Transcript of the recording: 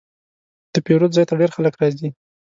د پیرود ځای ته ډېر خلک راځي.